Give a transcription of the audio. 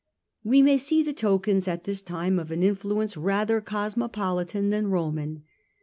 We may see the tokens at this time of an influence rather cosmopolitan than Roman.